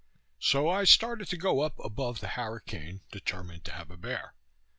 So I started to go up above the harricane, determined to have a bear.